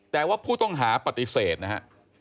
แต่ว่าผู้ต้องหาปฏิเสธนะฮะ